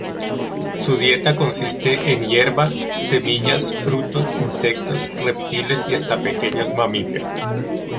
Su dieta consiste en hierba, semillas, frutos, insectos, reptiles y hasta pequeños mamíferos.